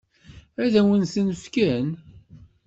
Ad wen-ten-fken?